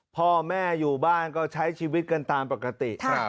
พ่อแม่อยู่บ้านก็ใช้ชีวิตกันตามปกติ